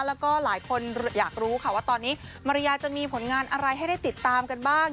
แล้วก็หลายคนอยากรู้ค่ะว่าตอนนี้มาริยาจะมีผลงานอะไรให้ได้ติดตามกันบ้าง